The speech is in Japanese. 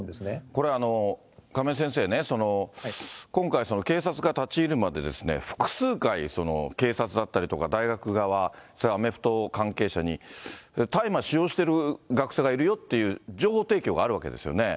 これ、亀井先生ね、今回、警察が立ち入るまで複数回、警察だったりとか、大学側、アメフト関係者に、大麻使用している学生がいるよっていう情報提供があるわけですよね。